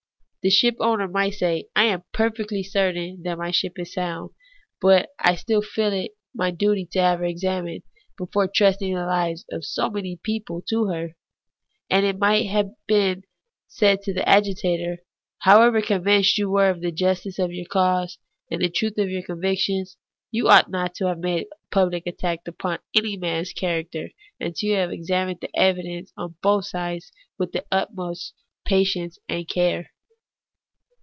The shipowner might say, ' I am perfectly certain that my ship is sound, but still I feel it my duty to have her examined, before trusting the hves of so many people to her.' And it might be said to the agitator, ' However convinced you were of the justice of your cause and the truth of your convictions, you ought not to have made a pubhc attack upon any man's character until you had examined the evidence on both sides with the utmost patience and cai^e.'